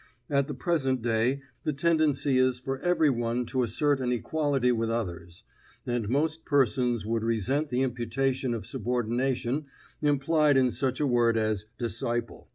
At the present day the tendency is for every one to assert an equality with others; and most persons would resent the imputation of subordination implied in such a word as disciple.